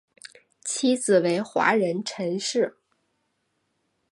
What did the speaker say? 妻子为华人陈氏。